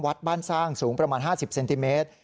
วัดบ้านสร้างสูงประมาณ๕๐เซนติเมตร